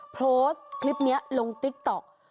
โพสต์คลิปนี้ลงติ๊กต๊อก